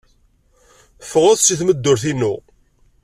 Ffɣet seg tmeddurt-inu.